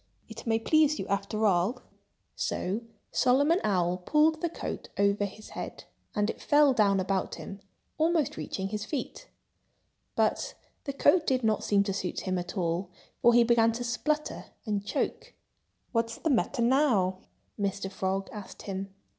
"It may please you, after all." So Solomon Owl pulled the coat over his head. And it fell down about him, almost reaching his feet. But the coat did not seem to suit him at all, for he began to splutter and choke. "What's the matter now?" Mr. Frog asked him.